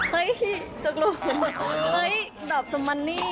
เฮ้ยจุกรูปดอบสมันนี่